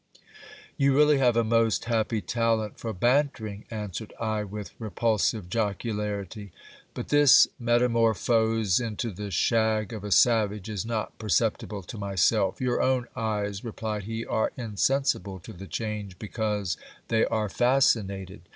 You really have a most happy talent for bantering, answered I, with repul sive jocularity. But this metamorphose into the shag of a savage is not percep tible to myself. Your own eyes, replied he, are insensible to the change, be cause they are fascinated.